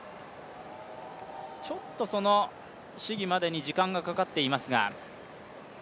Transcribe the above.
ちょっとその試技までに時間がかかっていますが。